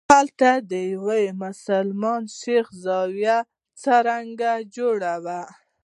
هلته د یوه مسلمان شیخ زاویه څرنګه جوړه وه.